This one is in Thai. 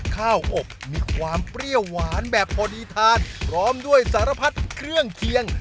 ข้าวอบมีความเปรี้ยวหวานแบบพอดีทานพร้อมด้วยสารพัดเครื่องเคียง